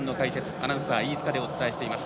アナウンサー飯塚でお伝えしています。